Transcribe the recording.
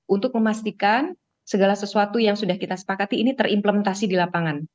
untuk memastikan segala sesuatu yang sudah kita sepakati ini terimplementasi di lapangan